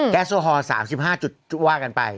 แก๊สโซฮอล์๓๕๒กันไป